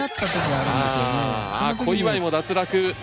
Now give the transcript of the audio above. ああ小祝も脱落。